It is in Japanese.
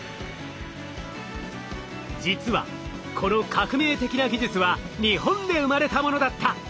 実はこの革命的な技術は日本で生まれたものだった！